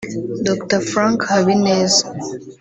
Dr Frank Habineza